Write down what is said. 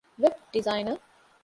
ވެބް ޑިޒައިނަރ